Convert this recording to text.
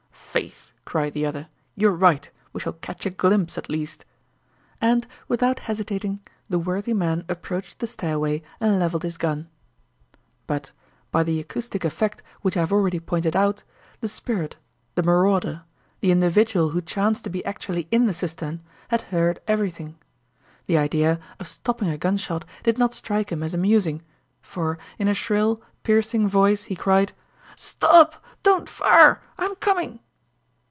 "Faith," cried the other, "you're right, we shall catch a glimpse at least." And without hesitating the worthy man approached the stairway and leveled his gun. But, by the acoustic effect which I have already pointed out, the spirit, the marauder, the individual who chanced to be actually in the cistern, had heard everything. The idea of stopping a gunshot did not strike him as amusing, for in a shrill, piercing voice he cried: "Stop! Don't fire I'm coming."